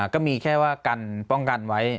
ก็มีแค่ว่ากันป้องกันไว้